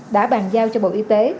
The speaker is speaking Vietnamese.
đã bàn giao cho bộ y tế